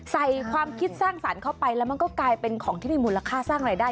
ความคิดสร้างสรรค์เข้าไปแล้วมันก็กลายเป็นของที่มีมูลค่าสร้างรายได้